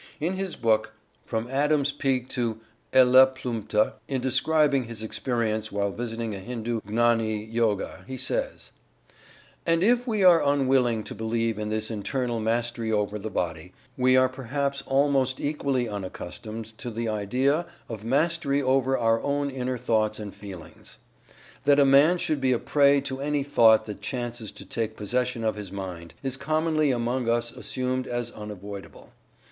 In his book "From Adam's Peak to Eleplumta," in describing his experience while visiting a Hindu Gnani Yogi, he says: "And if we are unwilling to believe in this internal mastery over the body, we are perhaps almost equally unaccustomed to the idea of mastery over our own inner thoughts and feelings. That a man should be a prey to any thought that chances to take possession of his mind, is commonly among us assumed as unavoidable.